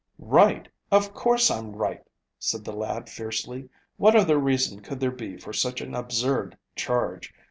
"Right, of course I'm right," said the lad fiercely. "What other reason could there be for such an absurd charge?